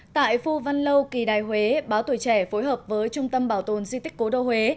tại phu văn lâu kỳ đài huế báo tuổi trẻ phối hợp với trung tâm bảo tồn di tích cố đô huế